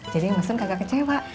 jadi maksudnya kagak kecewa